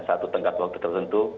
satu tengah waktu tertentu